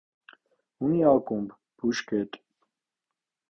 Ունի ակումբ, բուժկետ։